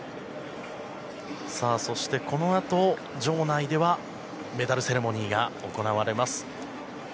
そして、このあと場内ではメダルセレモニーが行われます。